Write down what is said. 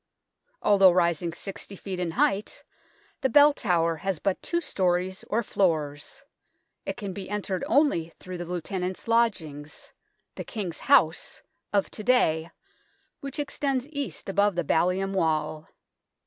Although rising 60 ft. in height, the Bell Tower has but two storeys, or floors. It can be entered only through the Lieutenant's Lodgings " the King's House " of to day, which extends east above the ballium wall.